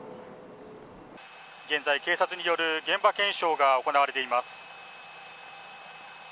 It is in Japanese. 現在、警察による現場検証が行われています。